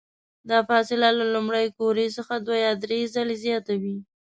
دا فاصله له لومړۍ قوریې څخه دوه یا درې ځلې زیاته وي.